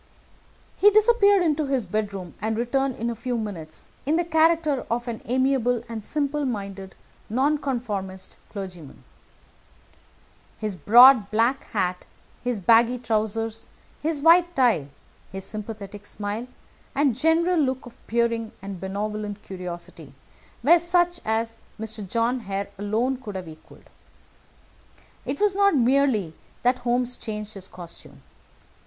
He disappeared into his bedroom, and returned in a few minutes in the character of an amiable and simple minded Nonconformist clergyman. His broad black hat, his baggy trousers, his white tie, his sympathetic smile, and general look of peering and benevolent curiosity were such as Mr. John Hare alone could have equalled. It was not merely that Holmes changed his costume.